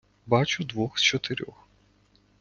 Бачу двох з чотирьох.